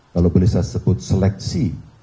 kalau boleh saya sebut seleksi